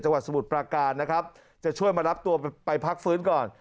สมุทรปราการนะครับจะช่วยมารับตัวไปพักฟื้นก่อน